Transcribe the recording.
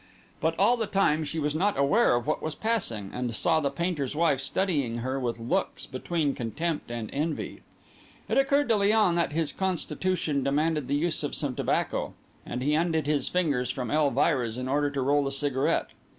But all the time she was not aware of what was passing, and saw the painter's wife studying her with looks between contempt and envy. It occurred to Léon that his constitution demanded the use of some tobacco; and he undid his fingers from Elvira's in order to roll a cigarette.